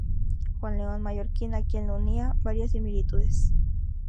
Juan León Mallorquín a quien lo unía varias similitudes.